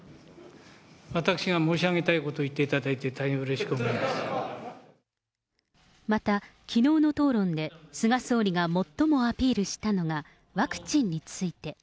私が申し上げたいことを言っていただいて、大変うれしく思いまたきのうの討論で菅総理が最もアピールしたのが、ワクチンについて。